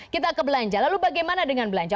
kita ke belanja lalu bagaimana dengan belanja